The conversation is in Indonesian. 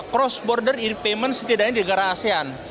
cross border er payment setidaknya di negara asean